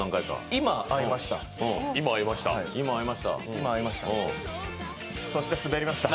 今、合いました。